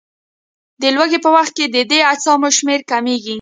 د لوږې په وخت کې د دې اجسامو شمېر کمیږي.